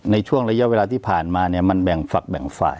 ในช่วงระยะเวลาที่ผ่านมาเนี่ยมันแบ่งฝักแบ่งฝ่าย